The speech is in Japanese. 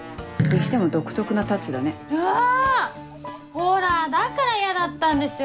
ほらだから嫌だったんですよ